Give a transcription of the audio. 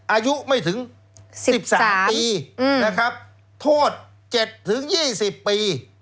อายุไม่ถึงสิบสามปีอืมนะครับโทษเจ็ดถึงยี่สิบปี